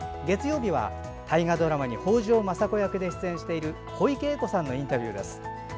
月曜日は、大河ドラマに北条政子役で出演している小池栄子さんのインタビューです。